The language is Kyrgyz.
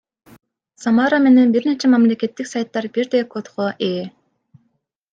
Самара менен бир нече мамлекеттик сайттар бирдей кодго ээ.